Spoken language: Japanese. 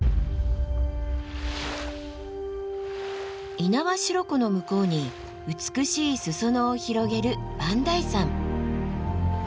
猪苗代湖の向こうに美しい裾野を広げる磐梯山。